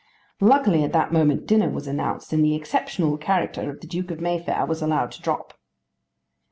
Luckily at that moment dinner was announced, and the exceptional character of the Duke of Mayfair was allowed to drop.